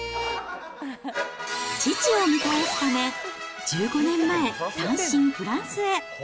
父を見返すため、１５年前、単身フランスへ。